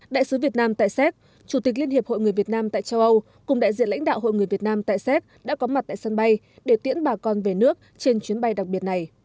đại sứ việt nam tại séc chủ tịch liên hiệp hội người việt nam tại châu âu cùng đại diện lãnh đạo hội người việt nam tại séc đã có mặt tại sân bay để tiễn bà con về nước trên chuyến bay đặc biệt này